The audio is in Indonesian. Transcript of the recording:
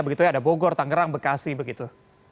begitu ya ada bogor tangerang bekasi begitu